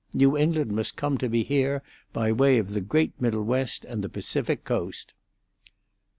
New England must come to me here, by way of the great middle West and the Pacific coast."